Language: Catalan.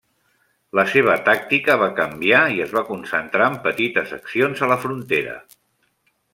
La seva tàctica va canviar i es va concentrar en petites accions a la frontera.